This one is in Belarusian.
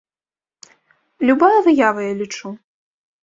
Любая выява, я лічу.